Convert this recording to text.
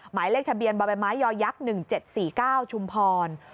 หมายเลขทะเบียนบมย๑๗๔๙ชุมพร